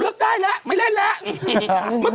เป็นการกระตุ้นการไหลเวียนของเลือด